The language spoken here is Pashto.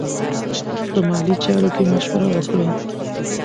په مالي چارو کې مشوره وکړئ.